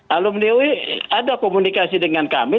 alumni ui ada komunikasi dengan kami